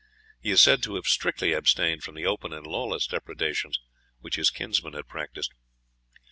He is said to have strictly abstained from the open and lawless depredations which his kinsman had practised.